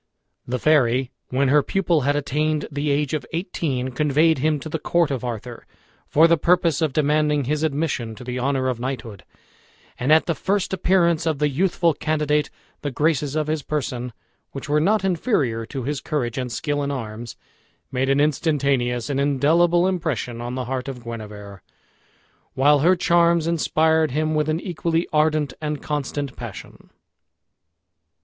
The fairy, when her pupil had attained the age of eighteen, conveyed him to the court of Arthur for the purpose of demanding his admission to the honor of knighthood; and at the first appearance of the youthful candidate the graces of his person, which were not inferior to his courage and skill in arms, made an instantaneous and indelible impression on the heart of Guenever, while her charms inspired him with an equally ardent and constant passion.